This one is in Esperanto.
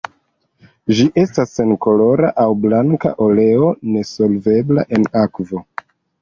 Ĝi estas senkolora aŭ blanka oleo, ne solvebla en akvo.